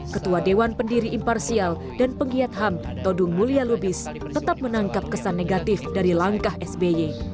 ketua dewan pendiri imparsial dan penggiat ham todung mulia lubis tetap menangkap kesan negatif dari langkah sby